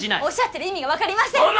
おっしゃってる意味が分かりません。